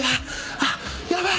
ああ、やばい！